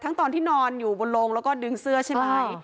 ตอนที่นอนอยู่บนโลงแล้วก็ดึงเสื้อใช่ไหม